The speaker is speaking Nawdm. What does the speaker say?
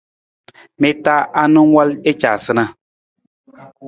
Mi ta anang wal i caasunaa?